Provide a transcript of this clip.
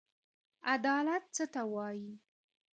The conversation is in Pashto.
عدالت څه ته وايي؟